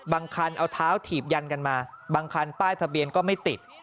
คันเอาเท้าถีบยันกันมาบางคันป้ายทะเบียนก็ไม่ติด